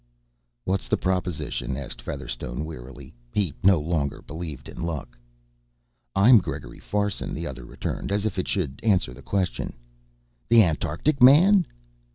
"What's the proposition?" asked Featherstone wearily. He no longer believed in luck. "I'm Gregory Farson," the other returned as if that should answer the question. "The Antarctic man!"